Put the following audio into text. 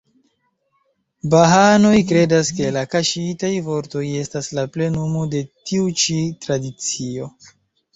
Bahaanoj kredas, ke la "Kaŝitaj Vortoj" estas la plenumo de tiu ĉi tradicio.